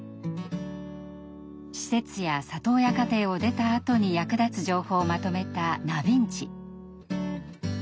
施設や里親家庭を出たあとに役立つ情報をまとめたなびんち。